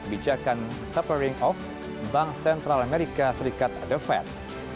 bijakan tapering off bank sentral amerika serikat the fed